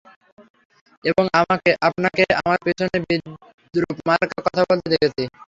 এবং, আপনাকে আমার পিছনে বিদ্রুপমার্কা কথা বলতে দেখেছি!